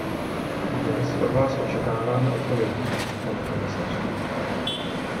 Dnes od Vás očekáváme odpovědi, pane komisaři.